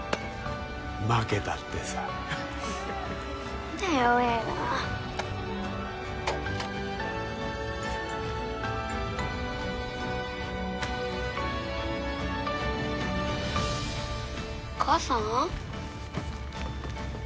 負けたってさ何だ弱えな母さん？